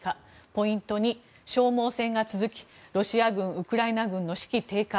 ポイント２、消耗戦が続きロシア軍、ウクライナ軍の士気低下。